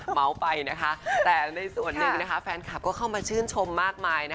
เมาส์ไปนะคะแต่ในส่วนหนึ่งแฟนคลับก็เข้ามาชื่นชมมากมาย